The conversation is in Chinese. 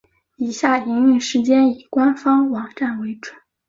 以下营运时间以官方网站为准。